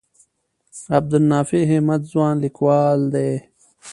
عبدالنافع همت ځوان لیکوال دی.